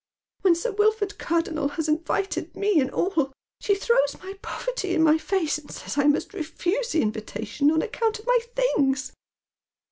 When Sir Wilford Cardonnel has invited me and all, she throws my poverty in my face, and says I must refuse the invitation on account of my things."